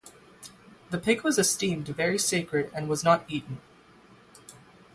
The pig was esteemed very sacred and was not eaten.